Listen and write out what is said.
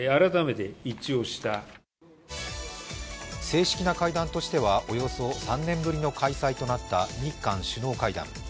正式な会談としてはおよそ３年ぶりの開催となった日韓首脳会談。